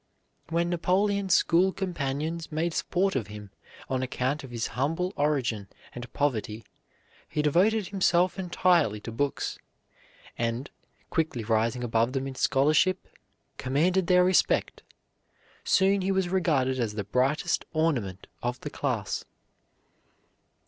When Napoleon's school companions made sport of him on account of his humble origin and poverty he devoted himself entirely to books, and, quickly rising above them in scholarship, commanded their respect. Soon he was regarded as the brightest ornament of the class.